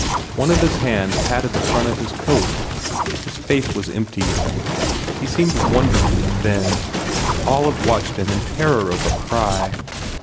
One of his hands patted the front of his coat. His face was empty. He seemed wonderfully thin. Olive watched him in terror of a cry.